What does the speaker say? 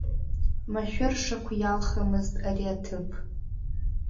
Машәыршақә иалхымызт ари аҭыԥ…